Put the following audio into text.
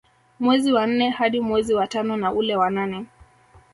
Mwezi wa nne hadi mwezi wa tano na ule wa nane